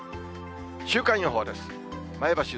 週間予報です。